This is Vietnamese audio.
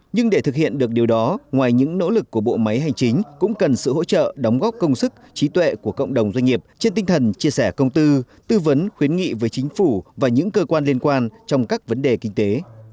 nhưng để thực hiện được điều đó ngoài những nỗ lực của bộ máy hành chính cũng cần sự hỗ trợ đóng góp công sức trí tuệ của cộng đồng doanh nghiệp trên tinh thần chia sẻ công tư tư vấn khuyến nghị với chính phủ và những cơ quan liên quan trong các vấn đề kinh tế